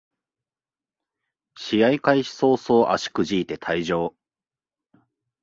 試合開始そうそう足くじいて退場